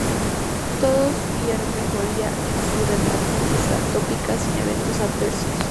Todos vieron mejoría en su dermatitis atópica sin eventos adversos.